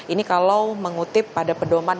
ini kalau mengutip pada pedoman